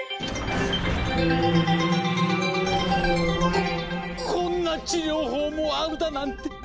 ここんな治療法もあるだなんて！